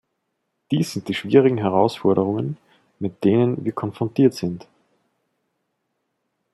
Dies sind die schwierigen Herausforderungen, mit denen wir konfrontiert sind.